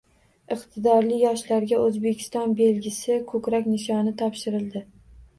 Iqtidorli yoshlarga “Oʻzbekiston belgisi” koʻkrak nishoni topshirildi